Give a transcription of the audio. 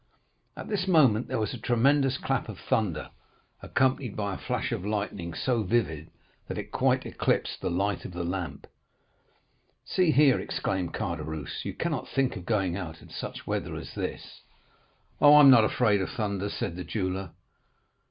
"At this moment there was a tremendous clap of thunder, accompanied by a flash of lightning so vivid, that it quite eclipsed the light of the lamp. 20307m "'See here,' exclaimed Caderousse. 'You cannot think of going out in such weather as this.' "'Oh, I am not afraid of thunder,' said the jeweller.